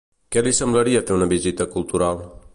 Què li semblaria fer una visita cultural?